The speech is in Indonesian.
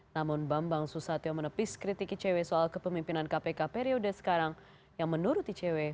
namun bambang susatyo menepis kritik icw soal kepemimpinan kpk periode sekarang yang menurut icw